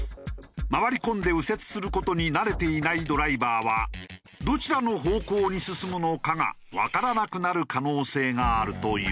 回り込んで右折する事に慣れていないドライバーはどちらの方向に進むのかがわからなくなる可能性があるという。